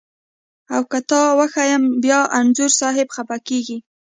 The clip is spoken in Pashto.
او که تا وښیم بیا انځور صاحب خپه کږي.